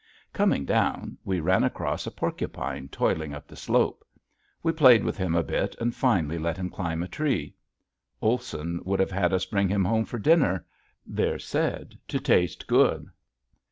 Coming down we ran across a porcupine toiling up the slope. We played with him a bit and finally let him climb a tree. Olson would have had us bring him home for dinner. They're said to taste good.